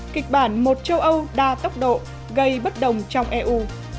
kịch bản một châu âu đa tốc độ gây bất đồng trong eu